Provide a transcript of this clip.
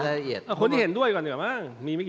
เอาคนที่เห็นด้วยก่อนดีกว่าบ้าง